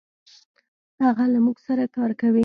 هغه له مونږ سره کار کوي.